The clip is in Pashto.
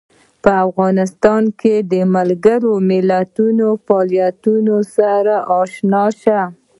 په افغانستان کې د ملګرو ملتونو له فعالیتونو سره آشنا شو.